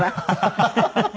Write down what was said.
ハハハハ！